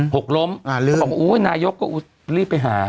หกล้มประกำลังนะนายกก็รีบเข้าไปหา